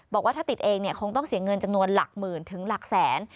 บอกว่าถ้าติดเองเนี่ยคงต้องเสียเงินจำนวนหลักหมื่นถึงหลักแสน